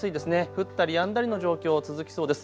降ったりやんだりの状況、続きそうです。